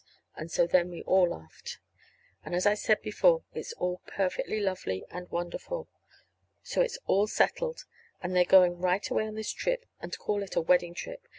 And so then we all laughed. And, as I said before, it is all perfectly lovely and wonderful. So it's all settled, and they're going right away on this trip and call it a wedding trip.